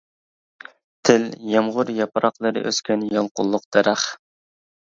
تىل: يامغۇر ياپراقلىرى ئۆسكەن يالقۇنلۇق دەرەخ.